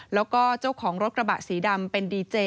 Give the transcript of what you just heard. แล้วก็เจ้าของรถกระบะสีดำเป็นดีเจ